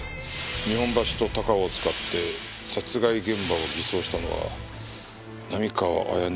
日本橋と高尾を使って殺害現場を偽装したのは並河彩音